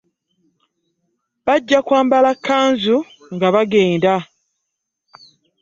Bajja kwambala kkanzu nga bagenda.